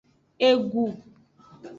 Egu.